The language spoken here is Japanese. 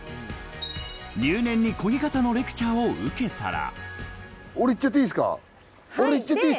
入念にこぎ方のレクチャーを受けたら。